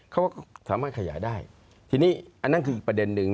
เขาก็สามารถขยายได้ทีนี้อันนั้นคืออีกประเด็นนึง